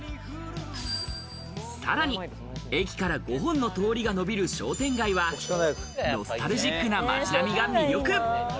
さらに、駅から５本の通りがのびる商店街は、ノスタルジックな街並みが魅力。